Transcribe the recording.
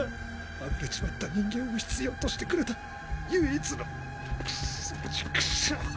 あぶれちまった人間を必要としてくれた唯一のクソ畜生！